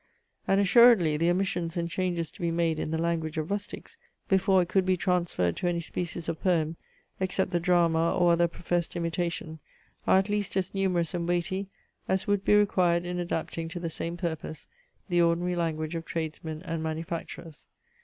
And assuredly the omissions and changes to be made in the language of rustics, before it could be transferred to any species of poem, except the drama or other professed imitation, are at least as numerous and weighty, as would be required in adapting to the same purpose the ordinary language of tradesmen and manufacturers.